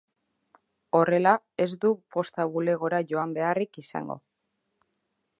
Horrela, ez du posta-bulegora joan beharrik izango.